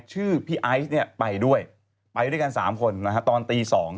ชื่อพี่ไอซ์เนี่ยไปด้วยไปด้วยกัน๓คนนะฮะตอนตี๒